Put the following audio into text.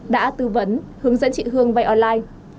đã tư vấn hướng dẫn chị hương vây online